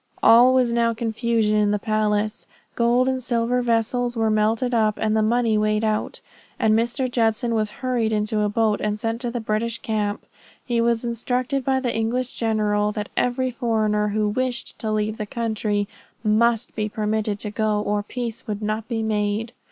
All was now confusion in the palace; gold and silver vessels were melted up, and the money weighed out; and Mr. Judson was hurried into a boat, and sent to the British camp. He was instructed by the English general that every foreigner who wished to leave the country, must be permitted to go, or peace would not be made.